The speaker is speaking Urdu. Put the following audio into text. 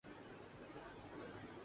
زرہ کوئی اگر محفوظ رکھتی ہے تو استغنا